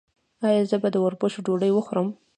ایا زه د وربشو ډوډۍ وخورم؟